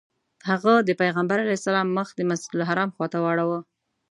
هغه د پیغمبر علیه السلام مخ د مسجدالحرام خواته واړوه.